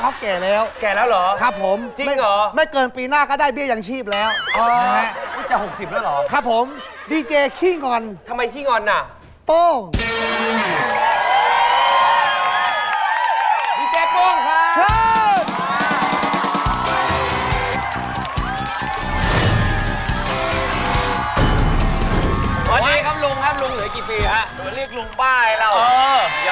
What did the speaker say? เราเรียกลุงป้ายแล้วยังไม่ปลดประชำการเลย